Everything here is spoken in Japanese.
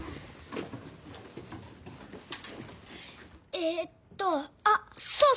ええっとあっそうそう！